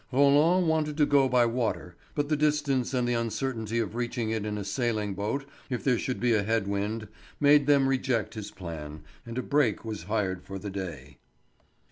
Roland wanted to go by water, but the distance and the uncertainty of reaching it in a sailing boat if there should be a head wind, made them reject his plan, and a break was hired for the day.